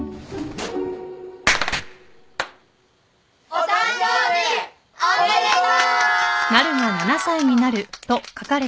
お誕生日おめでとう！